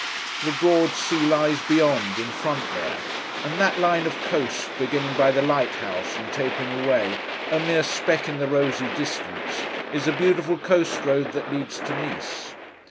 The broad sea lies beyond, in front there; and that line of coast, beginning by the light house, and tapering away, a mere speck in the rosy distance, is the beautiful coast road that leads to Nice.